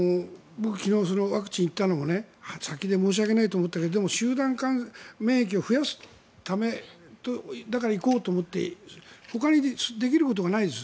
僕、昨日ワクチンに行ったのも先で申し訳ないと思ったけど集団免疫を増やすために行こうと思ったけどほかにできることがないです。